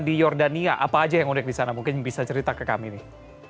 di jordania apa aja yang unik di sana mungkin bisa cerita ke kami nih